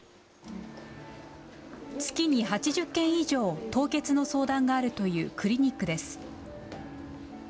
月に８０件以上、凍結の相談があるというクリニックです。